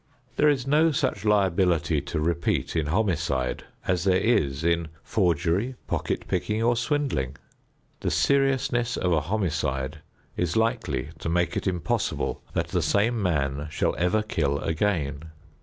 There is no such liability to repeat in homicide as there is in forgery, pocket picking or swindling. The seriousness of a homicide is likely to make it impossible that the same man shall ever kill again.